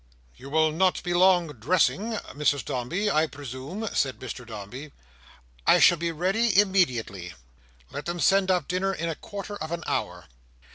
"You will not be long dressing, Mrs Dombey, I presume?" said Mr Dombey. "I shall be ready immediately." "Let them send up dinner in a quarter of an hour."